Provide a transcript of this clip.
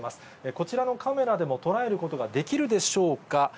こちらのカメラでも捉えることができるでしょうか。